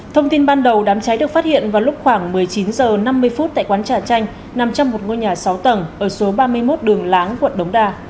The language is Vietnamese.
thông tin ban đầu đám cháy được phát hiện vào lúc khoảng một mươi chín h năm mươi phút tại quán trà chanh nằm trong một ngôi nhà sáu tầng ở số ba mươi một đường láng quận đống đa